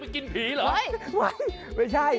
กินผีเหรอ